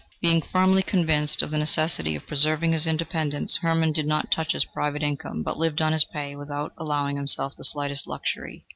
Being firmly convinced of the necessity of preserving his independence, Hermann did not touch his private income, but lived on his pay, without allowing himself the slightest luxury.